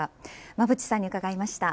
馬渕さんに伺いました。